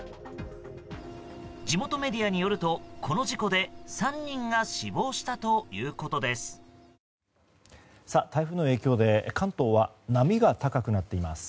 地元メディアによるとこの事故で３人が死亡したということです。